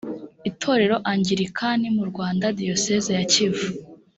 itorero angilikani mu rwanda diyoseze ya kivu